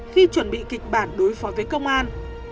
khi chuẩn bị kịch bản đối phó với công an